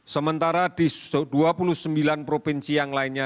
sementara di dua puluh sembilan provinsi yang lainnya